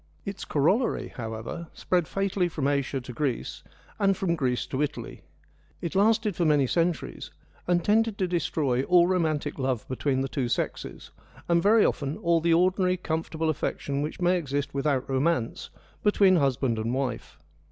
Its corollary, however, spread fatally from Asia to Greece, and from Greece to Italy. It lasted for many centuries, and tended to destroy all romantic love between the two sexes, and very often all the ordinary comfortable affection which may exist without romance between husband and wife.